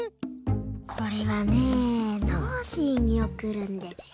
これはねノージーにおくるんですよ。